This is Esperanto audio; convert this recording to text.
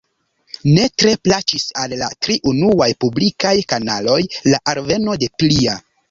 Ne tre plaĉis al la tri unuaj publikaj kanaloj la alveno de plia.